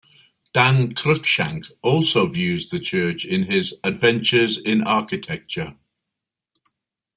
Dan Cruickshank also views the church in his "Adventures in Architecture".